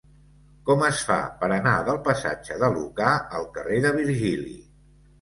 Com es fa per anar del passatge de Lucà al carrer de Virgili?